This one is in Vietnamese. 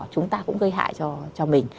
chúng ta cũng gây hại cho mình